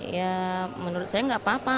ya menurut saya nggak apa apa